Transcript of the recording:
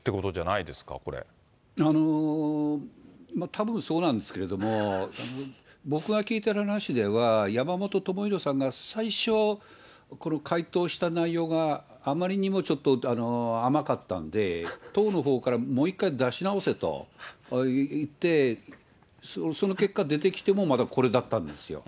たぶんそうなんですけれども、僕が聞いてる話では、山本朋広さんが最初、回答した内容があまりにもちょっと甘かったんで、党のほうからもう一回、出し直せといって、その結果出てきても、まだこれだったんですよ。